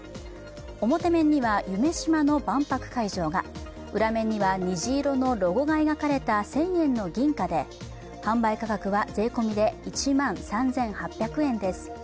表面には夢洲の万博会場が裏面には虹色のロゴが描かれた１０００円の銀貨で販売価格は税込みで１万３８００円です。